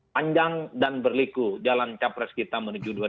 panjang dan berliku jalan capres kita menuju dua ribu dua puluh empat